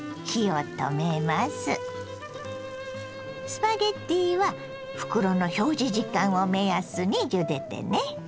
スパゲッティは袋の表示時間を目安にゆでてね。